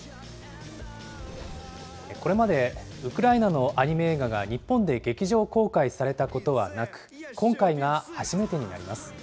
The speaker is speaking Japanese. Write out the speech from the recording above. これまでウクライナのアニメ映画が日本で劇場公開されたことはなく、今回が初めてになります。